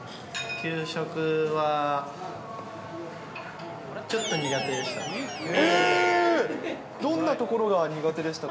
給食は、ちょっと苦手でした。